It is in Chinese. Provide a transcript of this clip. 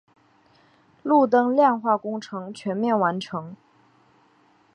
路灯亮化工程全面完成。